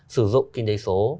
sử dụng kinh tế số